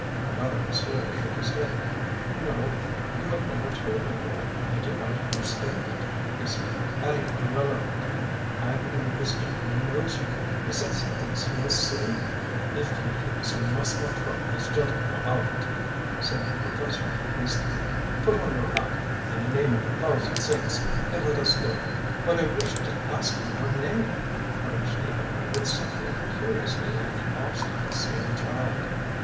"That other monsieur" shook his head. "No, you have never told me that. I do not understand it," he said, adding irrelevantly, "I believe this gentleman knows her. He says he thinks he has seen her." "If you please, we must not trouble this gentleman about it," said the professor hastily. "Put on your hat, in the name of a thousand saints, and let us go!" "But I wish to ask him her name," urged the other, with something curiously like the obstinacy of a child.